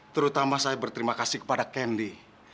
terutama saya berterima kasih kepada kendi